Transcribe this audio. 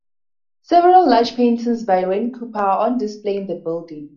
Several large paintings by Wayne Cooper are on display in the building.